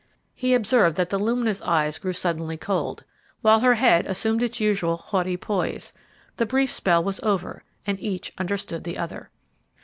He observed that the luminous eyes grew suddenly cold, while her head assumed its usual haughty poise; the brief spell was over, and each understood the other.